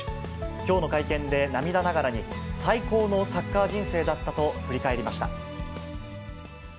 きょうの会見で涙ながらに、最高のサッカー人生だったと振り返りました。